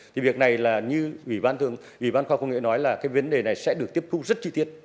thì việc này là như ủy ban khoa công nghệ nói là cái vấn đề này sẽ được tiếp thu rất chi tiết